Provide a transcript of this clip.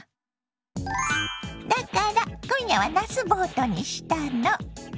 だから今夜はなすボートにしたの。